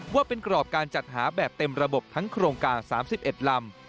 ว่าเป็นกรอบการจัดหาแบบเต็มระบบทั้งโครงการ๓๑ลำ